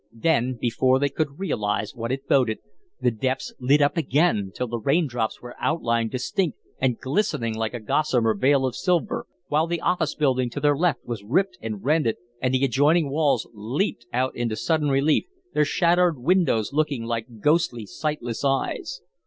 Then, before they could realize what it boded, the depths lit up again till the raindrops were outlined distinct and glistening like a gossamer veil of silver, while the office building to their left was ripped and rended and the adjoining walls leaped out into sudden relief, their shattered windows looking like ghostly, sightless eyes.